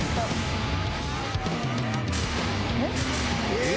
えっ？